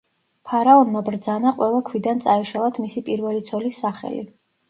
ფარაონმა ბრძანა ყველა ქვიდან წაეშალათ მისი პირველი ცოლის სახელი.